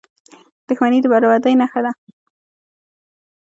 • دښمني د بربادۍ نښه ده.